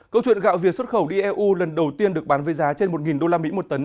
câu chuyện gạo việt xuất khẩu dlu lần đầu tiên được bán với giá trên một usd một tấn